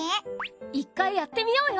１回やってみようよ。